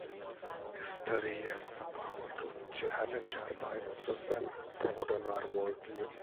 History has the power to challenge our biases and broaden our worldview.